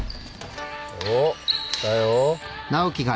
おっ来たよ。